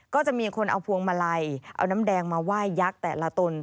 ก็จะมีคนเอาพวงมาลัยเอาน้ำแดงมาไหว้ยักษ์แต่ละตน